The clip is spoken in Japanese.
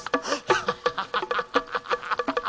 ハハハハ。